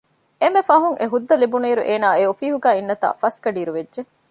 އެންމެ ފަހުން އެ ހުއްދަ ލިބުނުއިރު އޭނާ އެ އޮފީހުގައި އިންނަތާ ފަސްގަޑިއިރު ވެއްޖެ